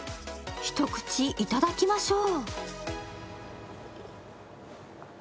一口いただきましょう。